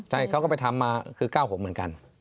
ใช่เขาก็ไปทำมาคือ๙๖เหมือนกัน